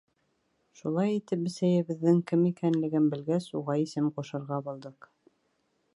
Шулай итеп, бесәйебеҙҙең «кем» икәнлеген белгәс, уға исем ҡушырға булдыҡ.